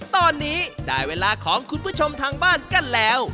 ตอนนี้ได้เวลาของคุณผู้ชมทางบ้านกันแล้ว